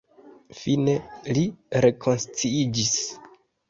Fine li rekonsciiĝis.